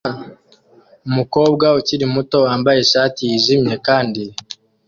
Umukobwa ukiri muto wambaye ishati yijimye kandi